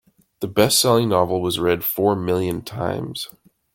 The bestselling novel was read four million times.